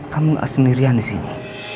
kamu nggak sendirian di sini